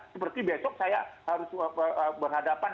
seperti besok saya harus berhadapan